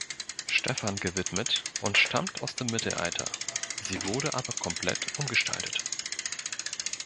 Stefan gewidmet und stammt aus dem Mittelalter, sie wurde aber komplett umgestaltet.